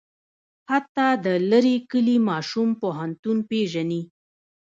حتی د لرې کلي ماشوم پوهنتون پېژني.